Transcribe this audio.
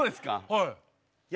はい。